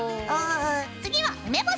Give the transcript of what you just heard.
次は梅干し！